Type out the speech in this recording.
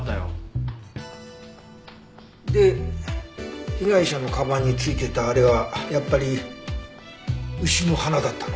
で被害者のかばんに付いてたあれはやっぱり牛の鼻だったの？